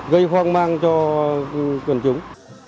gây hoang mang cho cường chúng